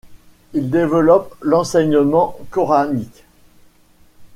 Il développe l’enseignement coranique.